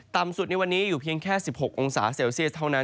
ต่ำสุดในวันนี้อยู่เพียงแค่๑๖องศาเซลเซียสเท่านั้น